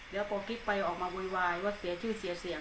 พ่อก็คิดไปออกมาวุยวายว่าเสียชื่นเสียเสียง